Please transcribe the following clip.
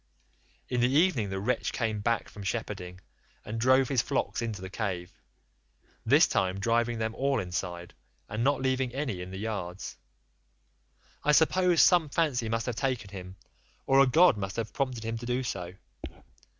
In the evening the wretch came back from shepherding, and drove his flocks into the cave—this time driving them all inside, and not leaving any in the yards; I suppose some fancy must have taken him, or a god must have prompted him to do so.